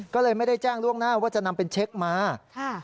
ก็เลยไม่ได้แจ้งล่วงหน้าว่าจะนำเป็นเช็คมาค่ะ